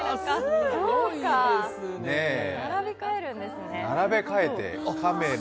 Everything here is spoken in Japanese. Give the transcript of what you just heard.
そうか並び替えるんですね。